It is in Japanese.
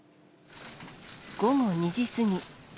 午後２時過ぎ。